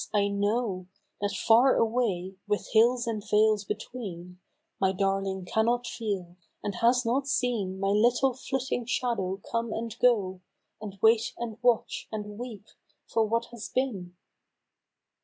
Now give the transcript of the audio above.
I know That far away, with hills and vales between My darling cannot feel, and has not seen My little flitting shadow come and go And wait and watch and weep for what has been